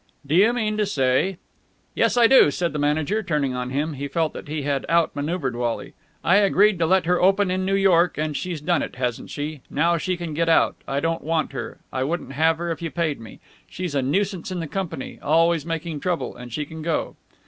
"Do you mean to say...?" "Yes, I do!" said the manager, turning on him. He felt that he had out manoeuvred Wally. "I agreed to let her open in New York, and she's done it, hasn't she? Now she can get out. I don't want her. I wouldn't have her if you paid me. She's a nuisance in the company, always making trouble, and she can go."